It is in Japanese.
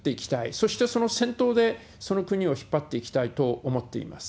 そしてその先頭で、その国を引っ張っていきたいと思っています。